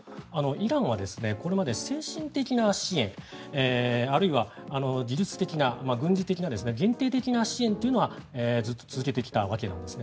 イランはこれまで精神的な支援あるいは自立的な、軍事的な限定的な支援というのはずっと続けてきたわけなんです。